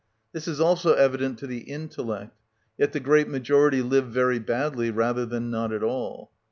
This is also evident to the intellect; yet the great majority live very badly rather than not at all.